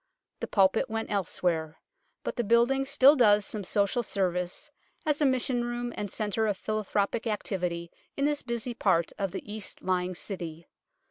The pulpit went elsewhere ; but the building still does some social service, as a mission room and centre of philanthropic activity in this busy part of the east lying City.